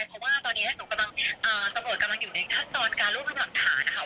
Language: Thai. เพราะว่าตอนนี้หนูกำลังตรวจกำลังอยู่ในทัศนการรูปรับหลักฐาน